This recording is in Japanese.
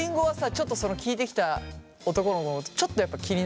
ちょっとその聞いてきた男の子のことちょっとやっぱ気になった？